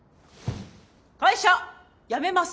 会社辞めます。